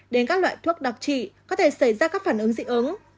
đến các loại thuốc đặc trị có thể xảy ra các phản ứng dị ứng